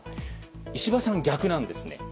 石破さんは逆なんですね。